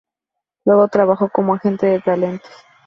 Luego trabajó como agente de talentos.